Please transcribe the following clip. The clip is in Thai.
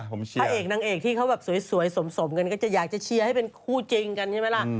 พระเอกนางเอกที่เขาแบบสวยสมกันก็จะอยากจะเชียร์ให้เป็นคู่จริงกันใช่ไหมล่ะ